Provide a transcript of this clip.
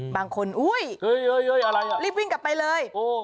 บางคนอุ๊ยรีบวิ่งกลับไปเลย